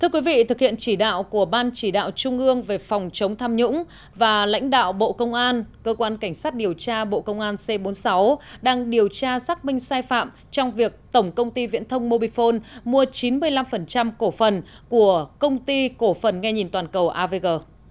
thưa quý vị thực hiện chỉ đạo của ban chỉ đạo trung ương về phòng chống tham nhũng và lãnh đạo bộ công an cơ quan cảnh sát điều tra bộ công an c bốn mươi sáu đang điều tra xác minh sai phạm trong việc tổng công ty viễn thông mobifone mua chín mươi năm cổ phần của công ty cổ phần nghe nhìn toàn cầu avg